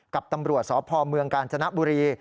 กับตำรวจสพเมืองกาญจนบุรี